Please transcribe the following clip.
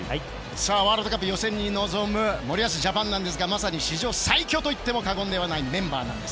ワールドカップ予選に臨む森保ジャパンなんですがまさに史上最強といっても過言ではないメンバーなんです。